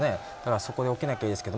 そこで起きなきゃいいですけど。